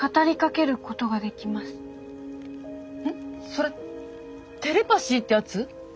それテレパシーってやつ？